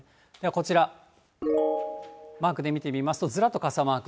こちら、マークで見てみますと、ずらっと傘マーク。